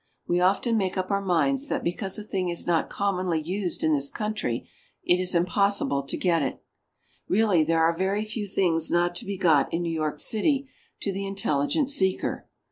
We often make up our minds that because a thing is not commonly used in this country, it is impossible to get it. Really there are very few things not to be got in New York City to the intelligent seeker.